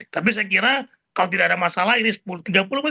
tapi saya kira kalau tidak ada masalah ini sepuluh jam